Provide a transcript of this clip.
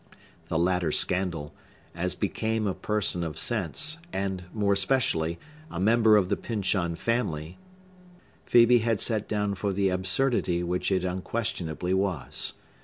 The latter scandal—as became a person of sense, and, more especially, a member of the Pyncheon family—Phœbe had set down for the absurdity which it unquestionably was.